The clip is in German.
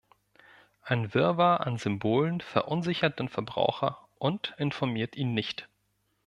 Ein Wirrwarr an Symbolen verunsichert den Verbraucher und informiert ihn nicht.